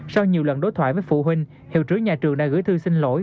sau nhiều lần đối thoại với phụ huynh hiệu trưởng nhà trường đã gửi thư xin lỗi